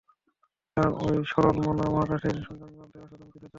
কারণ ওই সরলমনা মহাকাশের জঞ্জালটাই অসাধারণ কিছুর চাবিকাঠি।